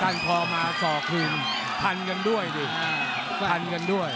ฆ่านพอมาส่อคลุมทันกันด้วย